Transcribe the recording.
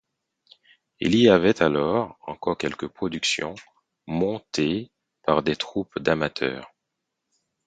Il y avait alors encore quelques productions montées par des troupes d'amateurs.